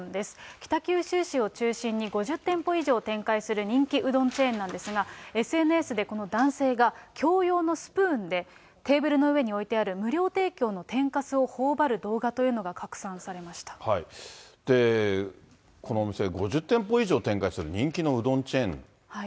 北九州市を中心に５０店舗以上展開する人気うどんチェーンなんですが、ＳＮＳでこの男性が、共用のスプーンで、テーブルの上に置いてある無料提供の天かすをほおばる動画というこのお店、５０店舗以上展開している人気のうどんチェーンですね。